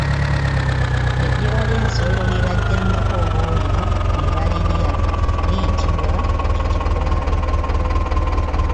Eddiba ly’ensolo lye bajjangako obwoya ne balirya liyitibwa Ekikwalo.